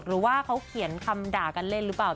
หรือว่าเขาเขียนคำด่ากันเล่นหรือเปล่า